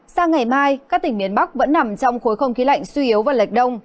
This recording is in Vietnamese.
sang ngày mai các tỉnh miền bắc vẫn nằm trong khối không khí lạnh suy yếu và lệch đông